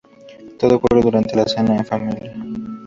Todo ocurre durante la cena en familia.